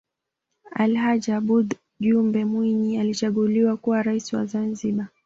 alhaj aboud jumbe mwinyi alichaguliwa kuwa raisi wa zanzibar